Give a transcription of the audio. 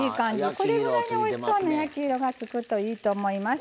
これぐらいにおいしそうな焼き色がつくといいと思います。